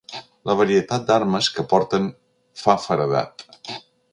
La varietat d'armes que porten fa feredat.